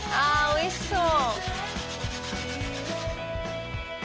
おいしそう。